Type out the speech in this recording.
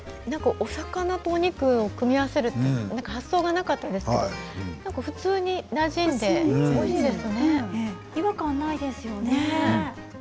お魚とお肉を組み合わせるって発想がなかったですけど違和感ないですよね。